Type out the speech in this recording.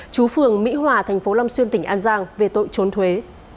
chú phường mỹ hòa tp lâm xuyên tỉnh an giang về tội trốn thuế